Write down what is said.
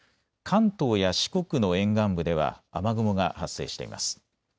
関東や四国の沿岸部では雨雲が発生しています。